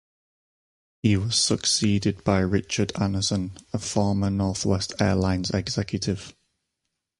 He was succeeded by Richard Anderson, a former Northwest Airlines executive.